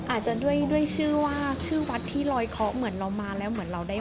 อาจจะด้วยชื่อว่าชื่อวัดที่รอยเคราะห์